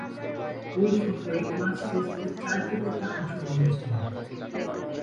ঐ সফরে পাঁচ টেস্টের চারটিতে তার অংশগ্রহণ ছিল।